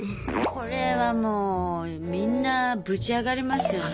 これはもうみんなブチ上がりますよね。